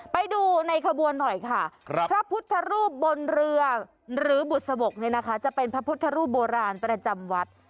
ไปดูในขบวนหน่อยค่ะพระพุทธรูปบนเรือหรือบุษบกเนี่ยนะคะจะเป็นพระพุทธรูปโบราณประจำวัด